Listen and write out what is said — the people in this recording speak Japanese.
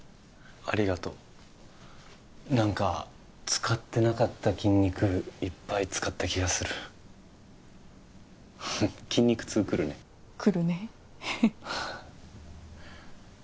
ありがとう何か使ってなかった筋肉いっぱい使った気がする筋肉痛くるねくるね